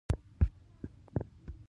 داخلي سیاست د ملي حاکمیت ساتنه هم ده.